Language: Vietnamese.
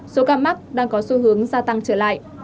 số ca mắc đang có xu hướng gia tăng trở lại